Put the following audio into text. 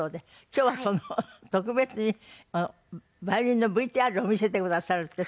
今日は特別にヴァイオリンのＶＴＲを見せてくださるって。